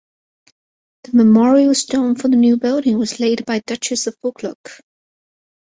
The memorial stone for the new building was laid by Duchess of Buccleuch.